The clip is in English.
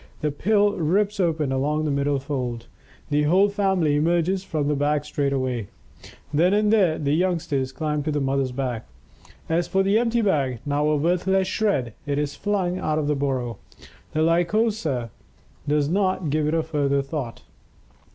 The pill rips open along the middle fold. The whole family emerges from the bag straightway. Then and there, the youngsters climb to the mother's back. As for the empty bag, now a worthless shred, it is flung out of the burrow; the Lycosa does not give it a further thought.